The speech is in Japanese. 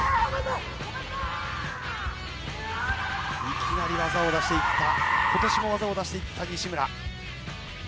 いきなり技を出していった今年も技を出していった西村。